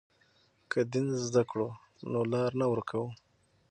که دین زده کړو نو لار نه ورکوو.